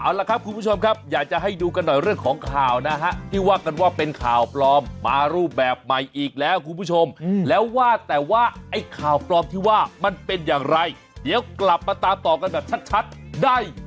เอาละครับคุณผู้ชมครับอยากจะให้ดูกันหน่อยเรื่องของข่าวนะฮะที่ว่ากันว่าเป็นข่าวปลอมมารูปแบบใหม่อีกแล้วคุณผู้ชมแล้วว่าแต่ว่าไอ้ข่าวปลอมที่ว่ามันเป็นอย่างไรเดี๋ยวกลับมาตามต่อกันแบบชัดได้